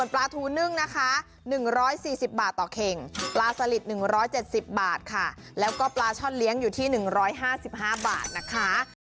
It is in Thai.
ปลาทูนึ่งนะคะ๑๔๐บาทต่อเข่งปลาสลิด๑๗๐บาทค่ะแล้วก็ปลาช่อนเลี้ยงอยู่ที่๑๕๕บาทนะคะ